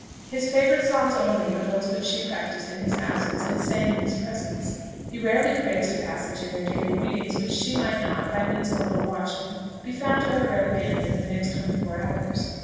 His favourite songs only were those which she practised in his absence and sang in his presence; he rarely praised a passage in their daily readings which she might not, by means of a little watching, be found to have read again within the next twenty four hours.